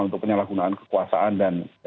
untuk penyalahgunaan kekuasaan dan